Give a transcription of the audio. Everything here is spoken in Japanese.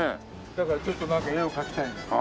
だからちょっとなんか絵を描きたいんですよ。